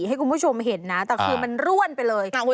ไซส์ลำไย